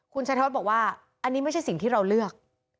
คุณชัยทวัฒน์บอกว่าอันนี้ไม่ใช่สิ่งที่เราเลือก